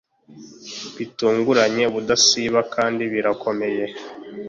Bitunguranye ubudasiba kandi birakomeye